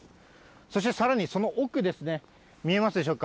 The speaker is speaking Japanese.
そしてさらにその奥ですね、見えますでしょうか。